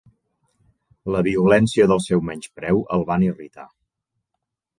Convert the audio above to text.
La violència del seu menyspreu el van irritar.